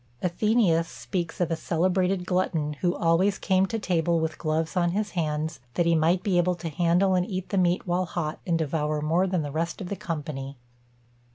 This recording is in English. Athenæus speaks of a celebrated glutton who always came to table with gloves on his hands, that he might be able to handle and eat the meat while hot, and devour more than the rest of the company.